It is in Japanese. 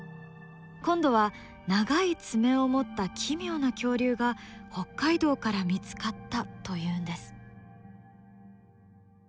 今度は長い爪を持った奇妙な恐竜が北海道から見つかったというんです。